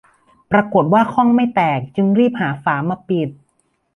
ปรากฏว่าข้องไม่แตกจึงรีบหาฝามาปิด